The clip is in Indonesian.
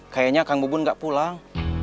kayaknya kang bubun nggak pulang